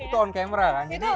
itu on camera kan